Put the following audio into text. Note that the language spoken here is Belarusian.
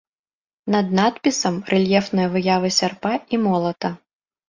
Над надпісам рэльефная выява сярпа і молата.